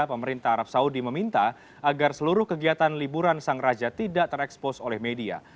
pemerintah arab saudi meminta agar seluruh kegiatan liburan sang raja tidak terekspos oleh media